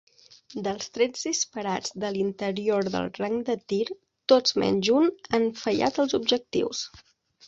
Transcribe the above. Dels trets disparats de l'interior del rang de tir, tots menys un han fallat els objectius.